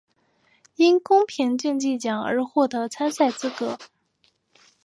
因公平竞技奖而获得参赛资格。